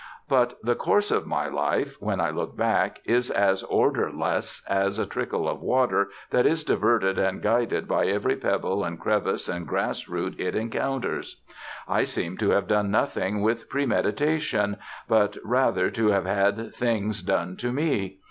But the course of my life, when I look back, is as orderless as a trickle of water that is diverted and guided by every pebble and crevice and grass root it encounters. I seem to have done nothing with pre meditation, but rather, to have had things done to me.